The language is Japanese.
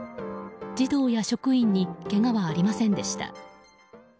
児童や職員にけがはありませんでした。